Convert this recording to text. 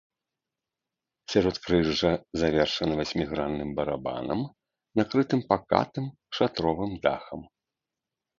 Сяродкрыжжа завершана васьмігранным барабанам, накрытым пакатым шатровым дахам.